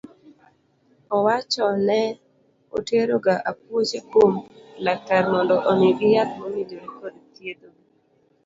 Owacho ne otero ga apuoche kuom laktar mondo omigi yath mowinjore kod thietho gi.